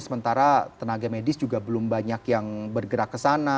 sementara tenaga medis juga belum banyak yang bergerak kesana